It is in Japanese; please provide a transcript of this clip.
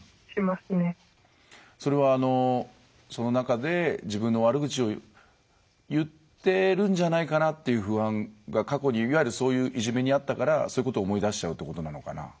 それはその中で自分の悪口を言ってるんじゃないかなという不安が過去にいわゆるそういういじめに遭ったからそういうことを思い出しちゃうってことなのかな？